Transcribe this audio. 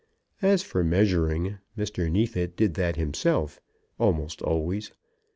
As for measuring, Mr. Neefit did that himself, almost always.